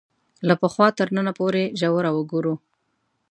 له پخوا تر ننه پورې ژوره وګورو